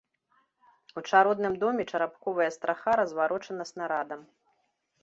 У чародным доме чарапковая страха разварочана снарадам.